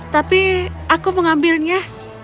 tapi aku mengambilnya